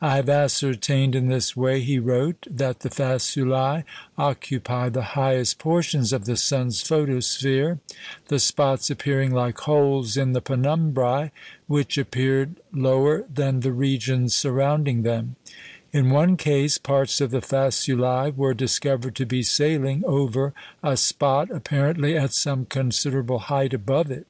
"I have ascertained in this way," he wrote, "that the faculæ occupy the highest portions of the sun's photosphere, the spots appearing like holes in the penumbræ, which appeared lower than the regions surrounding them; in one case, parts of the faculæ were discovered to be sailing over a spot apparently at some considerable height above it."